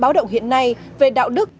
báo động hiện nay về đạo đức